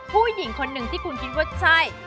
ผู้หญิงคนหนึ่งที่คุณคิดว่าใช่